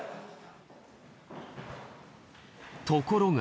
ところが。